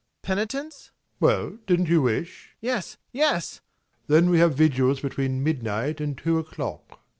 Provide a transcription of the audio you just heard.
Penitence? ABBÉ. Well, didn't you wish MAURICE. Yes, yes! ABBÉ. Then we have vigils between midnight and two o'clock.